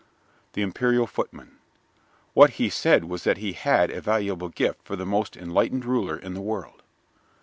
THE IMPERIAL FOOTMAN What he said was that he had a valuable gift for the most enlightened ruler in the world.